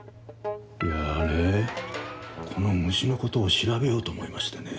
いやねこの虫のことを調べようと思いましてね